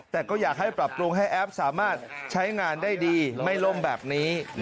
แต่ก็อยากให้ปรับปรุงให้แอปสามารถใช้งานได้ดีไม่ล่มแบบนี้